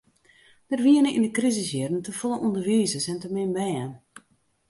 Der wienen yn de krisisjierren te folle ûnderwizers en te min bern.